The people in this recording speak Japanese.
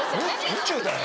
宇宙だよ。